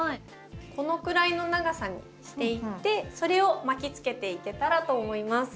このくらいの長さにしていってそれを巻きつけていけたらと思います。